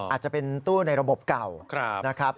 อาจจะเป็นตู้ในระบบเก่านะครับ